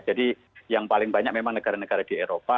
jadi yang paling banyak memang negara negara di eropa